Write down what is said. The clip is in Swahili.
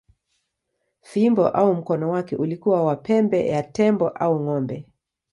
Fimbo au mkono wake ulikuwa wa pembe ya tembo au ng’ombe.